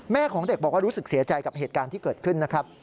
ของเด็กบอกว่ารู้สึกเสียใจกับเหตุการณ์ที่เกิดขึ้นนะครับ